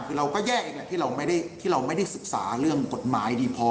คือเราก็แย่อีกแหละที่เราไม่ได้ที่เราไม่ได้ศึกษาเรื่องกฎหมายดีพอ